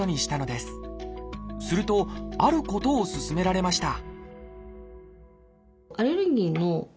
するとあることを勧められました